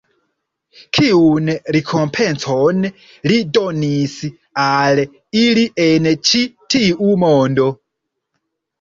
Kiun rekompencon Li donis al ili en ĉi tiu mondo?